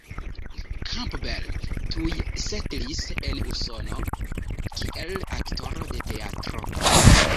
Campbell tuj setlis en Usono kiel aktoro de teatro.